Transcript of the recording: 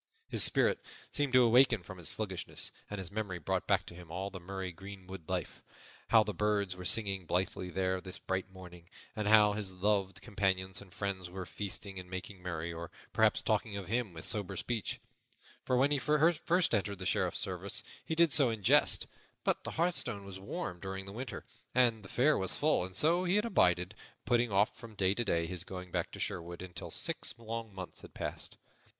His spirit seemed to awaken from its sluggishness, and his memory brought back to him all the merry greenwood life how the birds were singing blithely there this bright morning, and how his loved companions and friends were feasting and making merry, or perhaps talking of him with sober speech; for when he first entered the Sheriff's service he did so in jest; but the hearthstone was warm during the winter, and the fare was full, and so he had abided, putting off from day to day his going back to Sherwood, until six long months had passed.